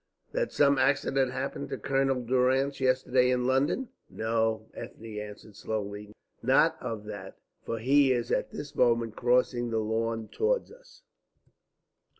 That some accident happened to Colonel Durrance yesterday in London?" "No," Ethne answered slowly, "not of that. For he is at this moment crossing the lawn towards us."